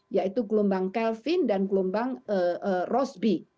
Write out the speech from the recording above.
yaitu gelombang kelvin dan gelombang rosby